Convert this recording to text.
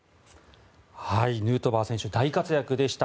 ヌートバー選手大活躍でした。